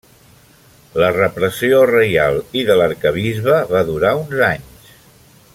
La repressió reial i de l'arquebisbe va durar uns anys.